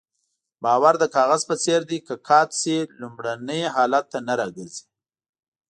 باور د کاغذ په څېر دی که قات شي لومړني حالت ته نه راګرځي.